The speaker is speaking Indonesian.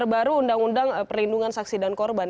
terbaru undang undang perlindungan saksi dan korban